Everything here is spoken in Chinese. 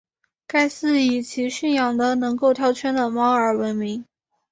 该寺以其训养的能够跳圈的猫而闻名。